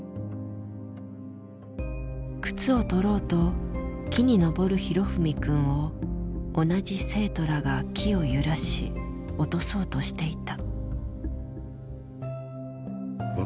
靴を取ろうと木に登る裕史くんを同じ生徒らが木を揺らし落とそうとしていた。